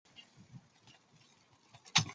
该战斗发生地点则是在中国赣南一带。